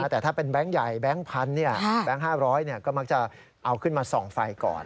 แต่ถ้าเป็นแบงค์ใหญ่แบงค์พันแบงค์๕๐๐ก็มักจะเอาขึ้นมาส่องไฟก่อน